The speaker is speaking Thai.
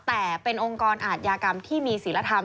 แต่เป็นองค์กรอาทยากรรมที่มีศิลธรรม